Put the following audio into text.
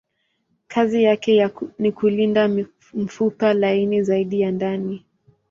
Kazi yake ni kulinda mfupa laini zaidi ya ndani.